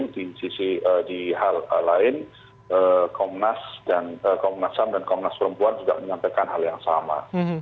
di sisi di hal lain komnas ham dan komnas perempuan juga menyampaikan hal yang sama